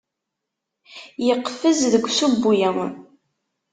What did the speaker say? Yeqfez deg usewwi.